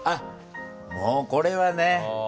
もうこれはね